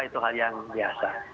itu hal yang biasa